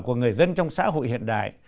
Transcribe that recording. của người dân trong xã hội hiện đại